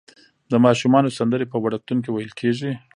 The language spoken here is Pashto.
د ماشومانو سندرې په وړکتون کې ویل کیږي.